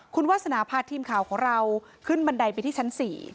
คุณวาสนาพาทีมข่าวของเราขึ้นบันไดไปที่ชั้น๔